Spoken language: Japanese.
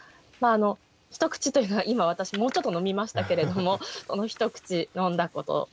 まああの「一口」というのは今私もうちょっと飲みましたけれどもその一口飲んだこと。